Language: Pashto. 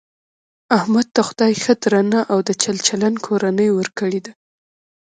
احمد ته خدای ښه درنه او د چل چلن کورنۍ ورکړې ده .